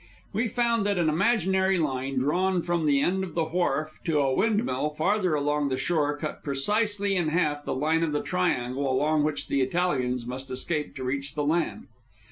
We found that an imaginary line, drawn from the end of the wharf to a windmill farther along the shore, cut precisely in half the line of the triangle along which the Italians must escape to reach the land.